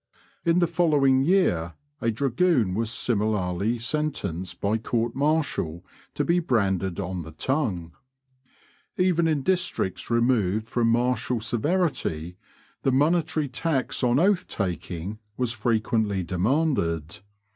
In the following year a dragoon was similarly sentenced by court martial to be branded on the tongue. Even in districts removed from martial severity the monetary tax on oath taking was frequently demanded.